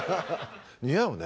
似合うね。